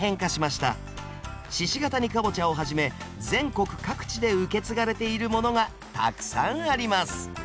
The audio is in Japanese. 鹿ケ谷かぼちゃをはじめ全国各地で受け継がれているものがたくさんあります